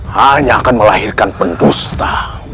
hanya akan melahirkan pendusta